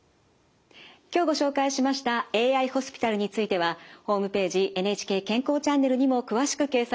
今日ご紹介しましたＡＩホスピタルについてはホームページ「ＮＨＫ健康チャンネル」にも詳しく掲載されています。